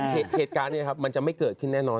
เหตุการณ์นี้ครับมันจะไม่เกิดขึ้นแน่นอน